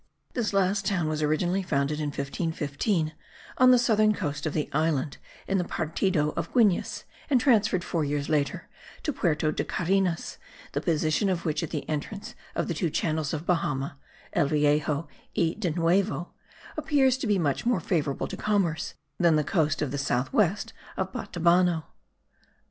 This last town was originally founded in 1515 on the southern coast of the island, in the Partido of Guines, and transferred, four years later, to Puerto de Carenas, the position of which at the entrance of the two channels of Bahama (el Viejo y de Nuevo) appears to be much more favourable to commerce than the coast on the south west of Batabano.